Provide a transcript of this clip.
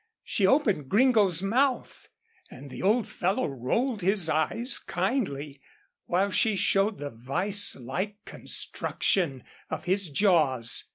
She opened Gringo's mouth, and the old fellow rolled his eyes kindly, while she showed the vise like construction of his jaws.